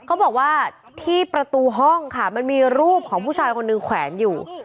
เขาบอกว่าที่ประตูห้องค่ะมันมีรูปของผู้ชายคนหนึ่งแขวนอยู่